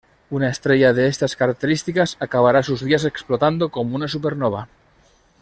Una estrella de estas características acabará sus días explotando como una supernova.